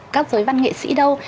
các giới bắt nghệ sĩ đâu